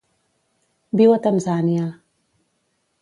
Viu a Tanzània.